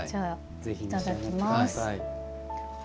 いただきます。